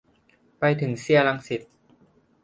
ไปถึงเซียร์รังสิต